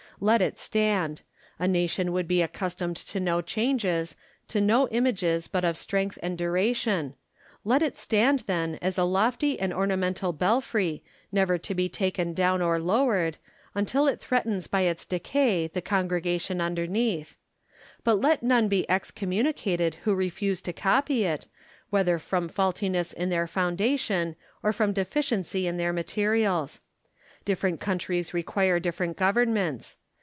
Let it stand ; a nation should be accustomed to no changes, to no images but of strength and duration : let it stand, then, as a lofty and ornamental belfry, never to be taken down or lowered, until it threatens by its decay the congregation underneath ; but let none be excommunicated who refuse to copy it, whether from faultiness in their foundation or from deficiency in their materials. Different countries require different governments.